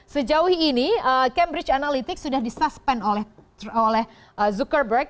sejauh ini cambridge analytics sudah di suspend oleh zuckerberg